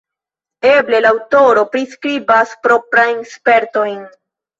Eble la aŭtoro priskribas proprajn spertojn.